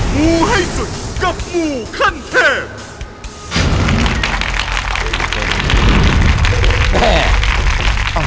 งูให้สุดกับงูขั้นเทพ